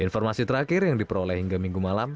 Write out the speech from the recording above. informasi terakhir yang diperoleh hingga minggu malam